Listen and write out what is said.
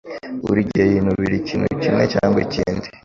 Buri gihe yinubira ikintu kimwe cyangwa ikindi.